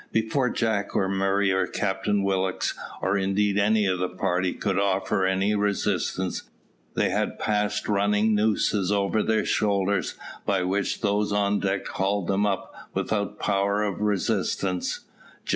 Before Jack, or Murray, or Captain Willock, or indeed any of the party, could offer any resistance, they had passed running nooses over their shoulders, by which those on deck hauled them up without power of resistance.